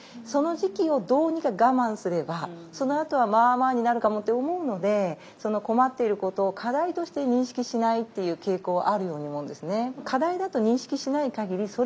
その時期をどうにか我慢すればそのあとはまあまあになるかもと思うので困っていることを課題として認識しないっていう傾向はあるように思うんですね。